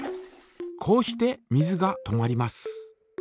こうして水が止まります。